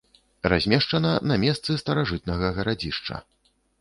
Размешчана на месцы старажытнага гарадзішча.